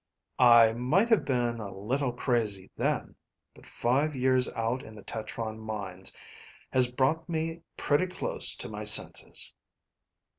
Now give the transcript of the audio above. "I might have been a little crazy then. But five years out in the tetron mines has brought me pretty close to my senses."